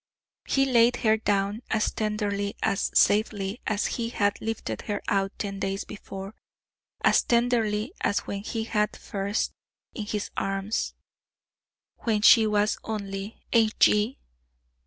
He laid her down as tenderly, as safely, as he had lifted her out ten days before as tenderly as when he had her first in his arms when she was only "A. G."